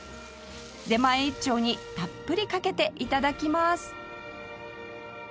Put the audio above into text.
出前一丁にたっぷりかけて頂きます